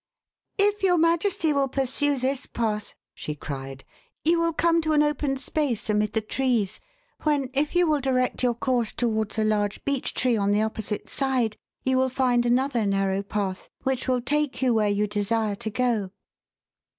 "If your majesty will pursue this path," she cried, "you will come to an open space amid the trees, when, if you will direct your course towards a large beech tree on the opposite side, you will find another narrow path, which will take you where you desire to go."